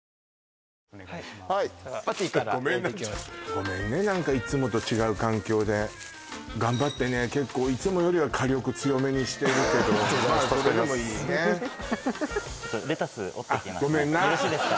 ごめんね何かいつもと違う環境で頑張ってね結構いつもよりは火力強めにしてるけどそれでもいいね助かりますあごめんなよろしいですか？